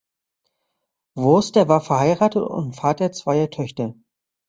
Wurster war verheiratet und Vater zweier Töchter.